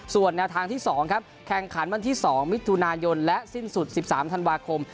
ส่วนแนวทางที่๒ครับแข่งขันวันที่๒มิถุนายนและสิ้นสุด๑๓ธันวาคม